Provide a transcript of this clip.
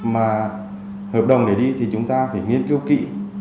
mà hợp đồng để đi thì chúng ta phải nghiên cứu kỹ